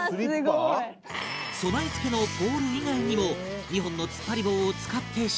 備え付けのポール以外にも２本の突っ張り棒を使って収納